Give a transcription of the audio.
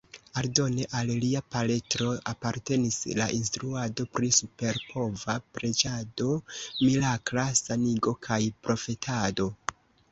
Aldone al lia paletro apartenis la instruado pri superpova preĝado, mirakla sanigo kaj profetado.